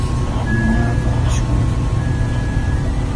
Mamaaqa shumaqmi.